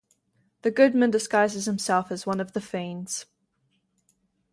The goodman disguises himself as one of the fiends.